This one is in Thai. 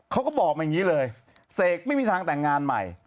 เขาก็บอกมาอย่างนี้เลยเสกไม่มีทางแต่งงานใหม่